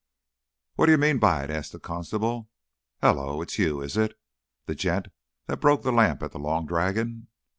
"What d'yer mean by it?" asked the constable. "Hullo! It's you, is it? The gent that broke the lamp at the Long Dragon!"